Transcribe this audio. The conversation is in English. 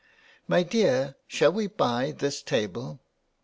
" My dear, shall we buy this table?